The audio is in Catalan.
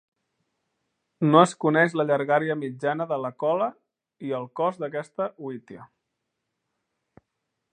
No es coneix la llargària mitjana de la cola i el cos d'aquesta hutia.